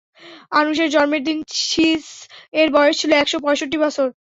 আনুশের জন্মের দিন শীছ-এর বয়স ছিল একশ পঁয়ষট্টি বছর।